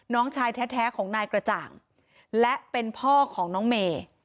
น้องชายแท้ของนายกระจ่างและเป็นพ่อของน้องเมย์